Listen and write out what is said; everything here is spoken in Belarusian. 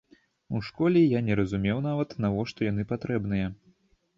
У школе я не разумеў нават, навошта яны патрэбныя.